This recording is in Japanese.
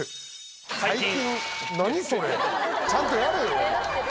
何それちゃんとやれよ！